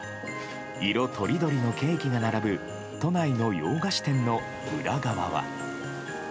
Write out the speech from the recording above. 色とりどりのケーキが並ぶ都内の洋菓子店の裏側は。